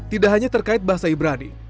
tidak hanya terkait bahasa ibrani